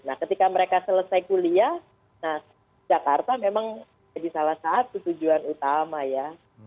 nah ketika mereka selesai kuliah nah jakarta memang jadi salah satu tujuan utama ya